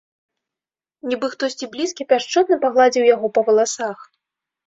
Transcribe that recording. Нібы хтосьці блізкі пяшчотна пагладзіў яго па валасах.